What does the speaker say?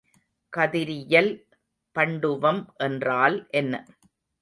கதிரியல் பண்டுவம் என்றால் என்ன?